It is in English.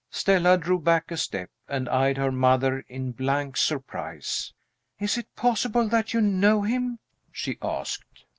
Stella drew back a step, and eyed her mother in blank surprise. "Is it possible that you know him?" she asked.